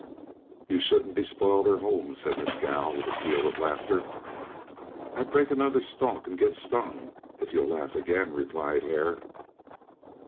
"You shouldn't despoil their homes," said Mescal, with a peal of laughter. "I'll break another stalk and get stung, if you'll laugh again," replied Hare.